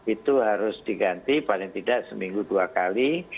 itu harus diganti paling tidak seminggu dua kali